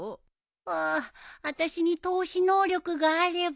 あああたしに透視能力があれば。